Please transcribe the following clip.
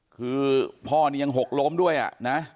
คือพ่อนี่ยังหกล้มด้วยนะ